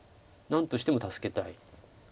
何としても助けたい。